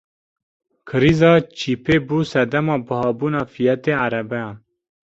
Krîza çîpê bû sedema bihabûna fiyetê erebeyan.